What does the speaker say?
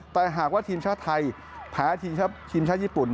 แต่หากว่าทีมชาติไทยแพ้ทีมชาติญี่ปุ่น